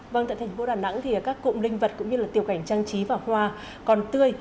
vâng tại thành phố đà nẵng thì các cụm linh vật cũng như tiểu cảnh trang trí và hoa còn tươi